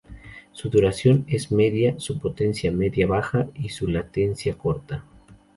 Su duración es media, su potencia media-baja y su latencia corta.